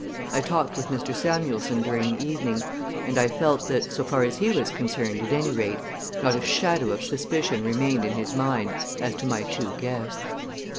I talked with Mr. Samuelson during the evening, and I felt that, so far as he was concerned at any rate, not a shadow of suspicion remained in his mind as to my two guests.